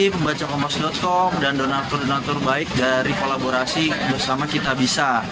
pembaca kompas com dan donatur donatur baik dari kolaborasi bersama kitabisa